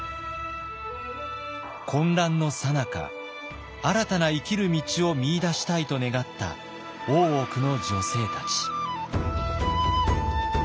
混乱のさなか新たな生きる道を見いだしたいと願った大奥の女性たち。